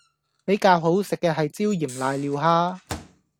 比較好食嘅係椒鹽賴尿蝦